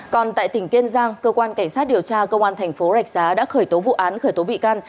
còn tại tỉnh kiên giang cơ quan cảnh sát điều tra công an thành phố rạch giá đã khởi tố vụ án khởi tố bị can